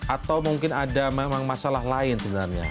atau mungkin ada memang masalah lain sebenarnya